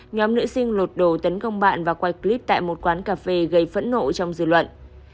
nhóm nữ sinh lột đồ tấn công bạn và quay clip tại một quán cà phê gây phẫn nộ trong dư luận